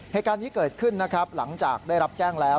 เหตุการณ์นี้เกิดขึ้นนะครับหลังจากได้รับแจ้งแล้ว